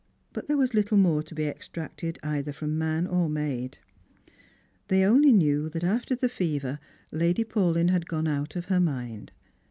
But there was little more to be extracted either from man or maid. They only knew that after the fever Lady Paulyn had gone out of her mind.